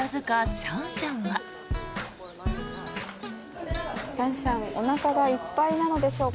シャンシャン、おなかがいっぱいなのでしょうか。